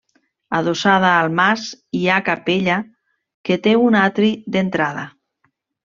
Adossada al mas hi ha capella, que té un atri d'entrada.